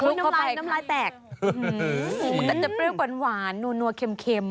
อืมแต่จะเปรี้ยวกว่านนัวเค็ม